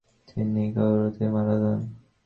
তিনি কায়রোতেই মারা যান।